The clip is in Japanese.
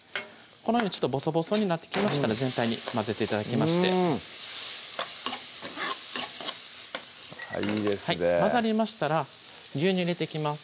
このようにボソボソになってきましたら全体に混ぜて頂きましていいですね混ざりましたら牛乳入れていきます